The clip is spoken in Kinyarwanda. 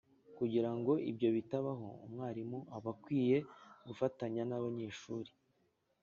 Kugira ngo ibyo bitabaho, umwarimu aba akwiye gufatanya n'abanyeshuri